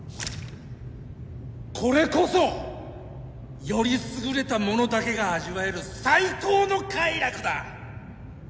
これこそ！よりすぐれた者だけが味わえる最高の快楽だ！